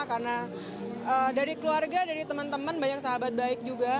karena dari keluarga dari teman teman banyak sahabat baik juga